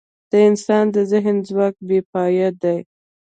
د انسان د ذهن ځواک بېپایه دی.